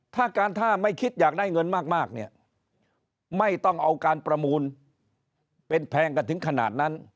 ถ้าการถ้าไม่คิดอยากได้เงินมากเนี่ยไม่ต้องเอาการประมูลเป็นแพงกันถึงขนาดนั้น